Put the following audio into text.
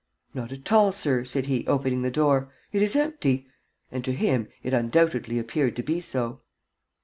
"Not at all, sir," said he, opening the door; "it is empty." And to him it undoubtedly appeared to be so.